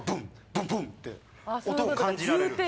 ブンブン！って音を感じられる。